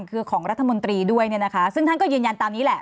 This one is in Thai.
คือของรัฐมนตรีด้วยเนี่ยนะคะซึ่งท่านก็ยืนยันตามนี้แหละ